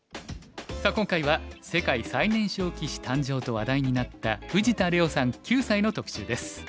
さあ今回は世界最年少棋士誕生と話題になった藤田怜央さん９歳の特集です。